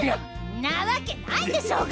んなわけないでしょうが！